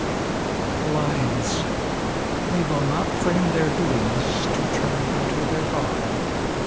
LINES. "They will not frame their doings to turn unto their God.